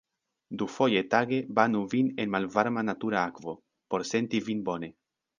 Dufoje tage banu vin en malvarma natura akvo, por senti vin bone.